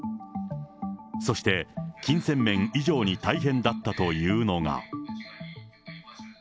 そして、金銭面以上に大変だったというのが。